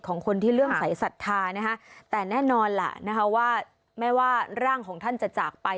ของคนที่เลื่องสายศรัทธาแต่แน่นอนแม้ว่าร่างของท่านจะจากไป